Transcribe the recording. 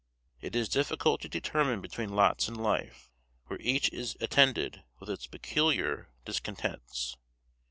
It is difficult to determine between lots in life, where each is attended with its peculiar discontents.